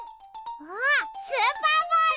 あっスーパーボール！